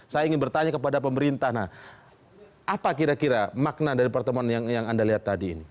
saya ingin bertanya kepada pemerintah apa kira kira makna dari pertemuan yang anda lihat tadi ini